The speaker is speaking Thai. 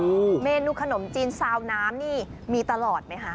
เมนูขนมจีนซาวน้ำนี่มีตลอดไหมคะ